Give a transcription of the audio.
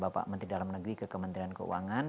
bapak menteri dalam negeri ke kementerian keuangan